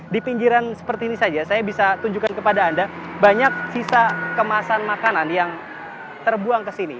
di pinggiran seperti ini saja saya bisa tunjukkan kepada anda banyak sisa kemasan makanan yang terbuang ke sini